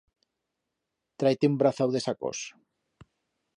Trai-te un brazau de sacos.